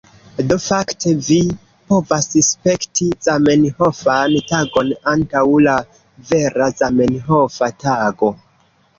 Do, fakte vi povas spekti Zamenhofan Tagon antaŭ la vera Zamenhofa Tago.